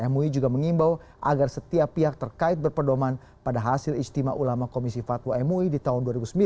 mui juga mengimbau agar setiap pihak terkait berpedoman pada hasil istimewa ulama komisi fatwa mui di tahun dua ribu sembilan